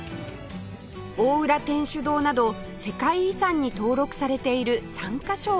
大浦天主堂など世界遺産に登録されている３カ所を探訪